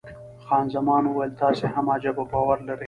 خان زمان وویل، تاسې هم عجبه باور لرئ.